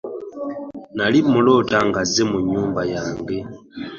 Nnali mmuloota ng'azze mu nyumba yange